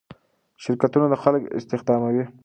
شرکتونه خلک استخداموي.